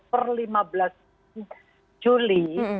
per lima belas juli